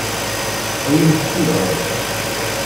Awimt-tt-id ɣer da.